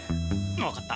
分かった。